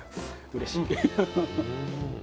うれしい。